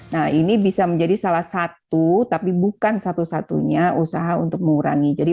nah ini bisa menjadi salah satu tapi bukan satu satunya usaha untuk mengurangi jadi